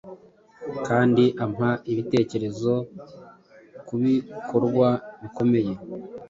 Kandi ampa ibitekerezo kubikorwa bikomeye